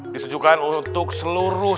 ditujukan untuk seluruh